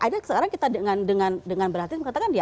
ya artinya sekarang kita dengan berhati hati mengatakan ya